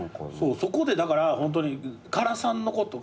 そこでだからホントに唐さんのこと